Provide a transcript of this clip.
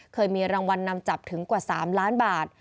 เคยมีรางวัลนำจับถึงกว่า๓ล้านบาท